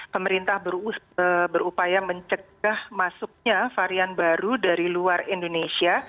pemerintah berupaya mencegah masuknya varian baru dari luar indonesia